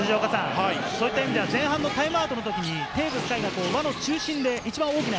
前半のタイムアウトの時に、テーブス海が輪の中心で一番大きな。